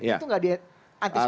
itu gak diantisipasi pak